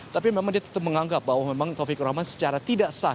tapi memang dia tetap menganggap bahwa memang taufik rahman secara tidak sah